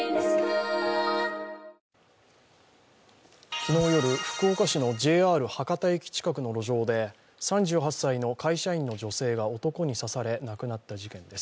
昨日夜、福岡市のＪＲ博多駅近くの路上で３８歳の会社員の女性が男に刺され、亡くなった事件です。